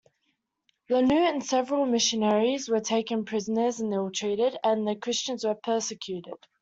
Laneau and several missionaries were taken prisoners and ill-treated, and the Christians were persecuted.